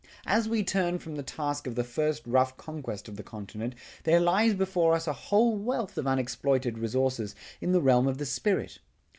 As we turn from the task of the first rough conquest of the continent there lies before us a whole wealth of unexploited resources in the realm of the spirit.